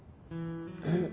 えっ？